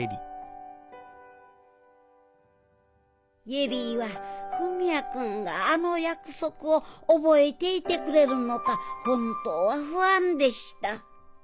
恵里は文也君があの約束を覚えていてくれてるのか本当は不安でした。